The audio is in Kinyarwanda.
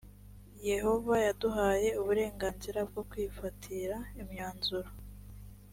yehova yaduhaye uburenganzira bwo kwifatira imyanzuro